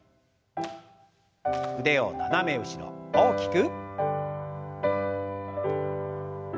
腕を斜め後ろ大きく。